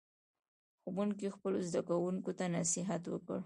ښوونکي خپلو زده کوونکو ته نصیحت وکړ.